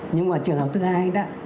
nhưng mà trường hợp thứ hai đó